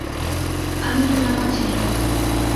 আমি টুনা মাছ নেব।